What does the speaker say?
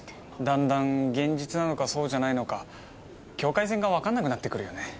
だんだん現実なのかそうじゃないのか境界線が分かんなくなってくるよね。